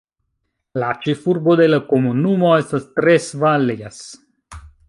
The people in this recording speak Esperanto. La ĉefurbo de la komunumo estas Tres Valles.